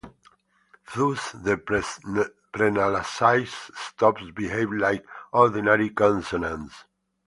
Thus the prenasalized stops behave like ordinary consonants.